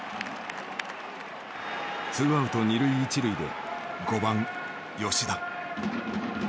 ツーアウト二塁一塁で５番吉田。